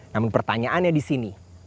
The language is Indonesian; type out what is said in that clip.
namun pertanyaannya di sini